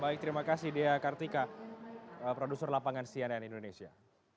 baik terima kasih dea kartika produser lapangan cnn indonesia